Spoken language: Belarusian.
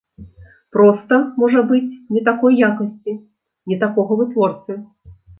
Проста, можа быць, не такой якасці, не такога вытворцы.